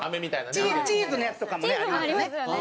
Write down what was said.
チーズのやつとかもねありますね。